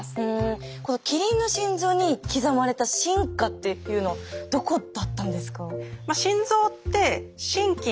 キリンの心臓に刻まれた進化っていうのはどこだったんですか？